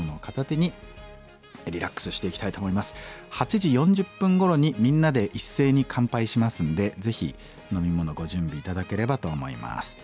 ８時４０分ごろにみんなで一斉に乾杯しますんでぜひ飲み物ご準備頂ければと思います。